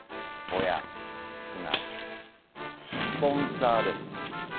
親すなわちスポンサーです。